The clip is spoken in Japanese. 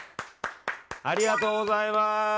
ありがとうございます。